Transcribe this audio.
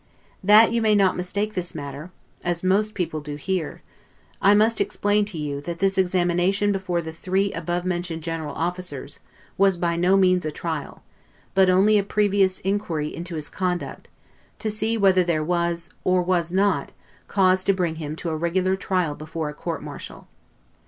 That you may not mistake this matter, as MOST people here do, I must explain to you, that this examination before the three above mentioned general officers, was by no means a trial; but only a previous inquiry into his conduct, to see whether there was, or was not, cause to bring him to a regular trial before a court martial.